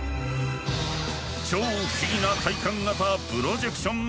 超不思議な体感型プロジェクションマッピング。